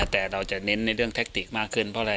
แต่เราจะเน้นในเรื่องแท็กติกมากขึ้นเพราะอะไร